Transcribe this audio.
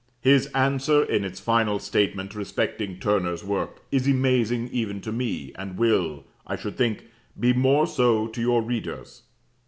His answer, in its final statement respecting Turner's work, is amazing even to me, and will, I should think, be more so to your readers.